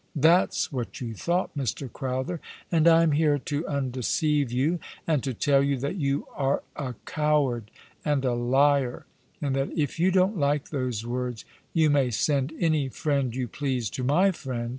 That's what you thought, Mr. Crowther: and I am here to undeceive you, and to tell you that you are a coward and a liar, and that if you don't like those words you may send any friend you please to my friend.